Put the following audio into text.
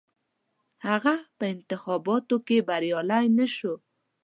هغه په انتخاباتو کې بریالی نه شو.